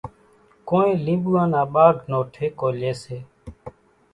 ڪونئين لينٻوُئان نا ٻاگھ نو ٺيڪو ليئيَ سي۔